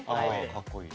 かっこいい。